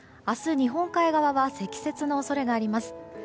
明日、日本海側は積雪の恐れがあります。